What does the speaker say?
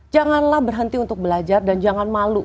janganlah berhenti untuk belajar dan jangan malu